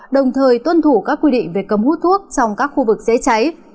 đồng thời tuân thủ các quy định về cấm hút thuốc trong các khu vực dễ cháy